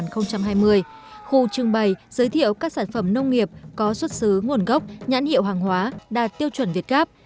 khu trưng bày giới thiệu các sản phẩm nông nghiệp có xuất xứ nguồn gốc nhãn hiệu hàng hóa đạt tiêu chuẩn việt gáp